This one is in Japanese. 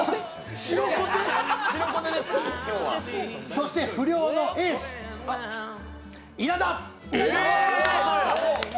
そして不良のエース・稲田。